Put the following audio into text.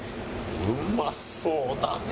うまそうだね！